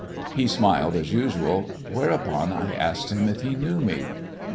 He smiled as usual, whereupon I asked him if he knew me.